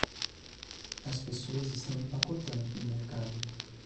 As pessoas estão empacotando no mercado.